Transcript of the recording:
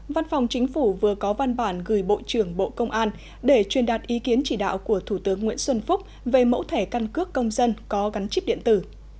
văn phòng chính phủ vừa có văn bản gửi bộ trưởng bộ công an để truyền đạt ý kiến chỉ đạo của thủ tướng nguyễn xuân phúc về mẫu thẻ căn cước công dân có gắn chip điện tử